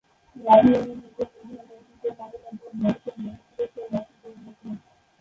রাধা রমন নিজের মেধা ও দর্শনকে কাজে লাগিয়ে মানুষের মনে চিরস্থায়ী আসন করে নিয়েছেন।